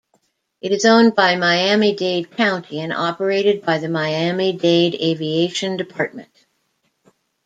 It is owned by Miami-Dade County and operated by the Miami-Dade Aviation Department.